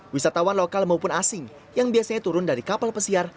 wisatawan lokal maupun asing yang biasanya turun dari kapal pesiar